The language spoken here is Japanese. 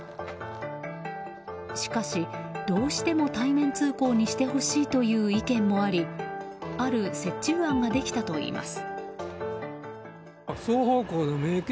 しかし、どうしても対面通行にしてほしいという意見もありある折衷案ができたといいます。